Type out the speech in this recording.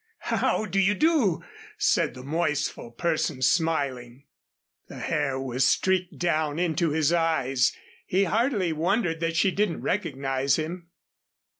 "How do you do?" said the moistful person, smiling. The hair was streaked down into his eyes. He hardly wondered that she didn't recognize him.